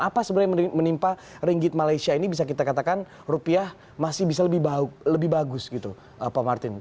apa sebenarnya yang menimpa ringgit malaysia ini bisa kita katakan rupiah masih bisa lebih bagus gitu pak martin